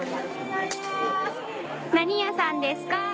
何屋さんですか？